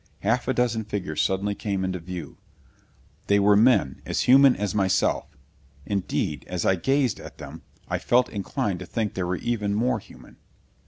Half a dozen figures suddenly came into view. They were men, as human as myself! Indeed, as I gazed at them, I felt inclined to think they were even more human!